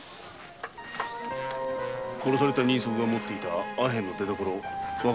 殺された人足が持っていたアヘンの出どころは？